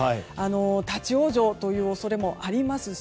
立ち往生の恐れもありますし